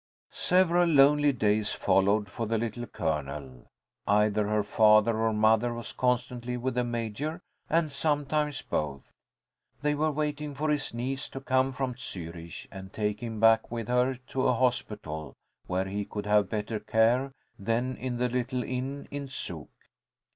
Several lonely days followed for the Little Colonel. Either her father or mother was constantly with the Major, and sometimes both. They were waiting for his niece to come from Zürich and take him back with her to a hospital where he could have better care than in the little inn in Zug.